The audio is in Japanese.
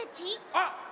あっ！